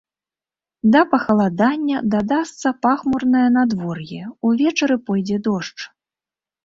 Да пахаладання дадасца пахмурнае надвор'е, увечары пойдзе дождж.